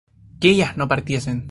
que ellas no partiesen